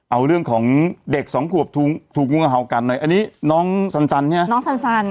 เอาเรื่องของเด็กสองขวบถูกตรวง